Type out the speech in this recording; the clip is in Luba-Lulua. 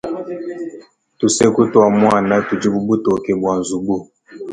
Tuseku tua muana tudi bu butoke bua nzubu.